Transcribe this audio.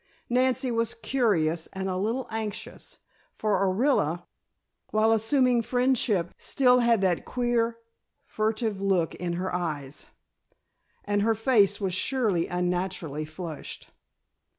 Nancy was curious and a little anxious, for Orilla, while assuming friendship, still had that queer, furtive look in her eyes, and her face was surely unnaturally flushed.